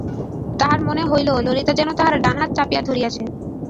তাহার মনে হইল ললিতা যেন তাহার ডান হাত চাপিয়া ধরিয়াছে।